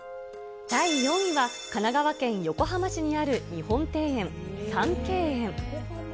第４位は神奈川県横浜市にある日本庭園、三渓園。